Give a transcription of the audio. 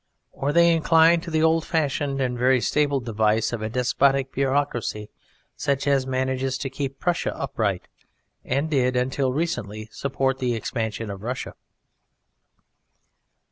Or they incline to the old fashioned and very stable device of a despotic bureaucracy such as manages to keep Prussia upright, and did until recently support the expansion of Russia.